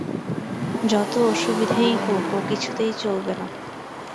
যত অসুবিধেই হোক, ও কিছুতেই চলবে না।